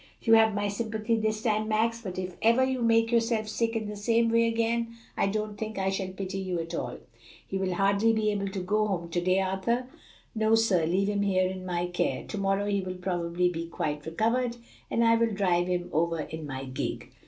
You have my sympathy this time, Max, but if ever you make yourself sick in the same way again, I don't think I shall pity you at all. He will hardly be able to go home to day, Arthur?" "No, sir; leave him here in my care. To morrow he will probably be quite recovered, and I will drive him over in my gig."